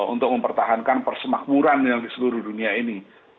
untuk mempertahankan persemakmuran di seluruh dunia ini